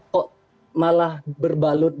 kok malah berbalut